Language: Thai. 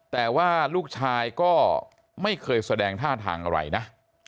แต่ว่าลูกชายก็ไม่เคยแสดงท่าทางอะไรนะ